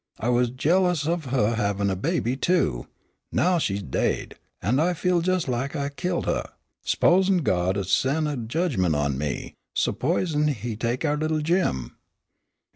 I was jealous of huh havin' a baby, too. Now she's daid, an' I feel jes' lak I'd killed huh. S'p'osin' God 'ud sen' a jedgment on me s'p'osin' He'd take our little Jim?"